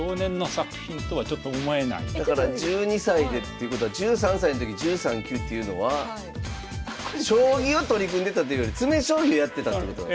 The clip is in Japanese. １２歳でっていうことは１３歳の時１３級っていうのは将棋を取り組んでたというより詰将棋をやってたってことなんですね。